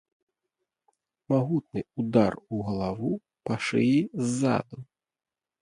Магутны удар у галаву, па шыі ззаду.